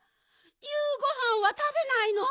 ゆうごはんはたべないの？